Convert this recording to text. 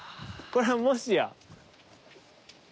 これはもしや。